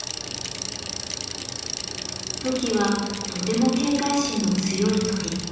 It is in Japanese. トキはとても警戒心の強い鳥。